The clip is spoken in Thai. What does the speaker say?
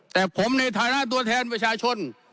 แต่ผมในฐานะตัวแทนประชาชน